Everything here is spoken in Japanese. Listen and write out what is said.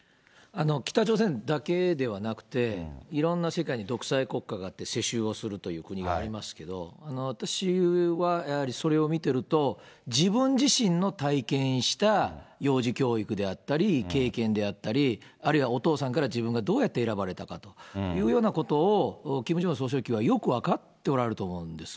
北朝鮮だけではなくて、いろんな世界に独裁国家があって、世襲をするという国がありますけど、私はやはりそれを見てると、自分自身の体験した幼児教育であったり、経験であったり、あるいはお父さんから自分がどうやって選ばれたかというようなことをキム・ジョンウン総書記はよく分かっておられると思うんです。